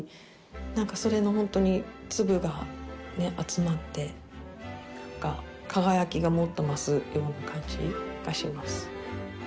それのほんとに粒がね集まって輝きがもっと増すような感じがします。